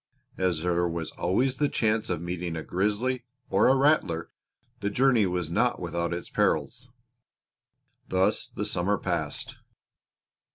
As there was always the chance of meeting a grizzly or a rattler the journey was not without its perils. Thus the summer passed.